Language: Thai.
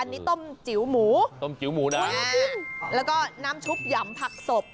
อันนี้ต้มจิ๋วหมูต้มจิ๋วหมูน้ำแล้วก็น้ำชุบหยำผักสด